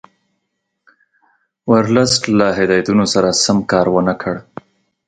ورلسټ له هدایتونو سره سم کار ونه کړ.